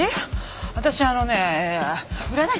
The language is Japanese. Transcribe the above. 私あのね占い師。